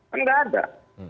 kan nggak ada